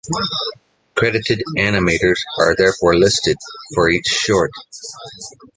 Credited animators are therefore listed for each short.